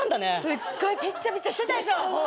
すっごいペッチャペチャしてたでしょ。